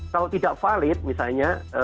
kalau tidak valid misalnya